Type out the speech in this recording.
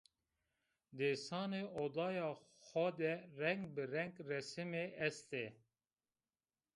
Dêsanê odaya xo de reng bi reng resimî est ê